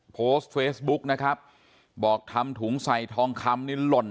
โพสต์เฟซบุ๊กนะครับบอกทำถุงใส่ทองคำนี่หล่น